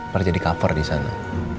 pernah jadi cover di sana